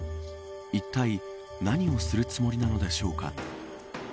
いったい何をするつもりなのでしょうか。